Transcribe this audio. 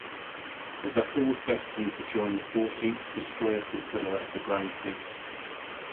The vessel was destined to join the Fourteenth Destroyer Flotilla of the Grand Fleet.